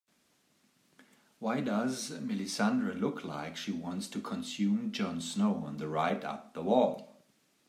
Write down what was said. Why does Melissandre look like she wants to consume Jon Snow on the ride up the wall?